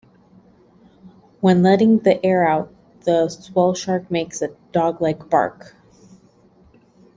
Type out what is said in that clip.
When letting the air out, the swellshark makes a dog-like bark.